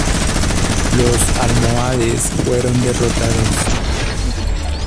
Los almohades fueron derrotados.